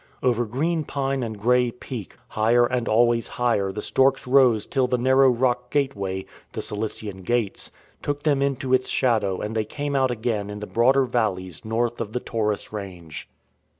Over green pine and grey peak, higher and always higher the storks rose till the narrow rock gateway — the Cilician Gates — took them into its shadow and they came out again in the broader valleys north of the Taurus range.